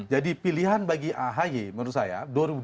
jadi pilihan bagi ahy menurut saya dua ribu dua puluh empat